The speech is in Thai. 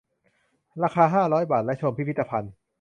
ราคา ห้าร้อย บาท และชมพิพิธภัณฑ์